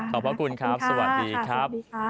พระคุณครับสวัสดีครับ